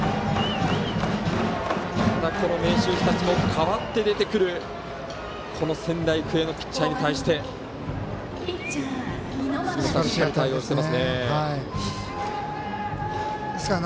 この明秀日立も代わって出てくる仙台育英のピッチャーに対してすばらしい対応していますね。